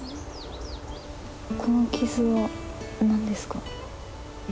この傷はなんですか？